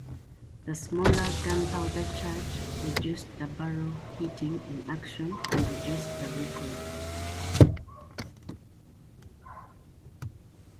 The smaller gunpowder charge reduced the barrel heating in action, and reduced the recoil.